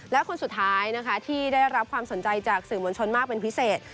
และคนสุดท้ายนะคะที่ได้รับความสนใจจากสื่อมวลชนมากเป็นพิเศษ